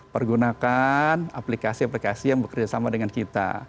pergunakan aplikasi aplikasi yang bekerja sama dengan kita